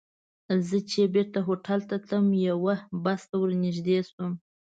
زه چې بېرته هوټل ته تلم، یوه بس ته ور نږدې شوم.